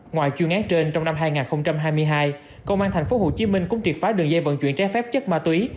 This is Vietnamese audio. ngoài chuyên án trên trong năm hai nghìn hai mươi hai công an thành phố hồ chí minh cũng triệt phá đường dây vận chuyển trái phép chất ma túy